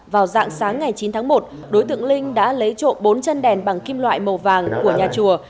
vào dạng sáng ngày chín tháng một đối tượng linh đã lấy trộm bốn chân đèn bằng kim loại màu vàng của nhà chùa